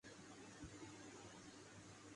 تو اس کا حصہ ہوں۔